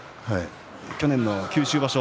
去年の九州場所